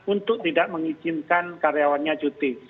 untuk tidak mengizinkan karyawannya cuti